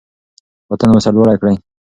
وطن مو سرلوړی کړئ.